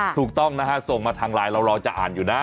ถูกต้องนะฮะส่งมาทางไลน์เรารอจะอ่านอยู่นะ